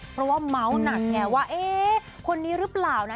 เพราะว่าเมาส์หนักไงว่าเอ๊ะคนนี้หรือเปล่านะ